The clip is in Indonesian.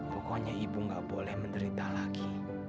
pokoknya ibu gak boleh menderita lagi